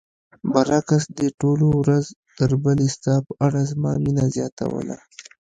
برعکس دې ټولو ورځ تر بلې ستا په اړه زما مینه زیاتوله.